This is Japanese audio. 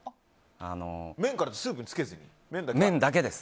麺からってスープにつけずに？